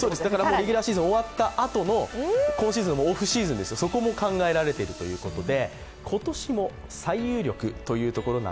レギュラーシーズンが終わったあとの、今シーズンのオフシーズン、そこも考えられているということで。